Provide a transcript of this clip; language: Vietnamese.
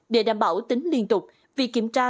để đảm bảo tính liên tục vì kiểm tra